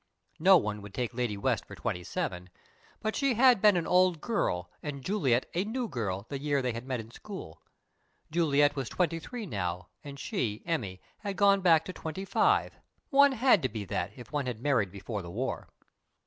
No one would take Lady West for twenty seven, but she had been an "old girl" and Juliet a "new girl," the year they met at school. Juliet was twenty three now, and she, Emmy, had gone back to twenty five. One had to be that, if one had married before the war!